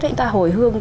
chúng ta hồi hương